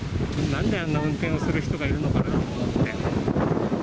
なんであんな運転をする人がいるのかなと思って。